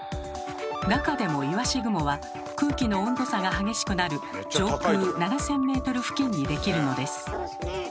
なかでもいわし雲は空気の温度差が激しくなる上空７，０００ｍ付近に出来るのです。